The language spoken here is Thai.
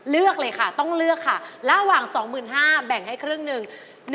เลือกเลยค่ะต้องเลือกค่ะระหว่าง๒๕๐๐แบ่งให้ครึ่งหนึ่ง